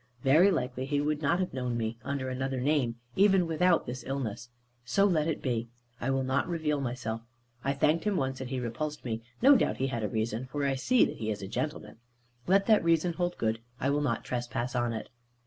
Very likely he would not have known me, under another name; even without this illness. So let it be. I will not reveal myself. I thanked him once, and he repulsed me; no doubt he had a reason, for I see that he is a gentleman. Let that reason hold good: I will not trespass on it.